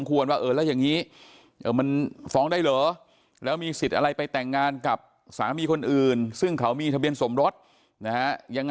อยู่พอสมควรว่าแล้วอย่างนี้มันฟ้องได้เหรอแล้วมีสิทธิ์อะไรไปแต่งงานกับสามีคนอื่น